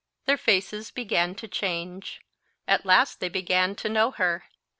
Their faces began to change. At last they began to know her.